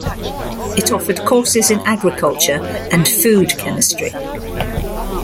It offered courses in agriculture and food chemistry.